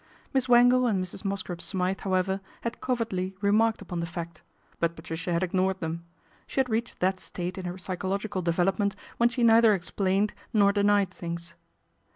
Miss Wangle and Mrs. Mosscrop Smythe, however, had covertly re marked upon the fact ; but Patricia had ignored them. She had reached that state in her psycho logical development when she neither explained nor denied things.